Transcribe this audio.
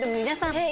皆さん。